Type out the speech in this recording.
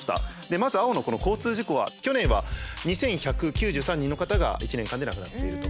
まず青の交通事故は去年は２，１９３人の方が１年間で亡くなっていると。